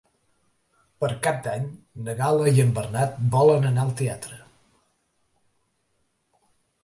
Per Cap d'Any na Gal·la i en Bernat volen anar al teatre.